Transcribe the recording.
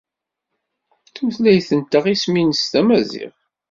Tutlayt-nteɣ isem-nnes tamaziɣt.